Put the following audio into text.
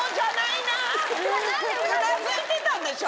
うなずいてたんでしょ？